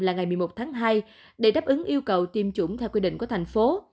là ngày một mươi một tháng hai để đáp ứng yêu cầu tiêm chủng theo quy định của thành phố